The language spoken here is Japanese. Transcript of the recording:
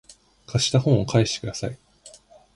貸した本を返してください